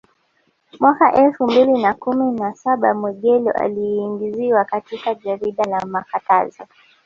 Mwaka elfu mbili na kumi na saba Mwegelo aliingizwa katika jarida la makatazo